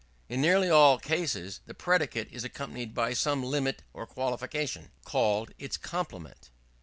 In nearly all cases, the predicate is accompanied by some limit or qualification, called its complement.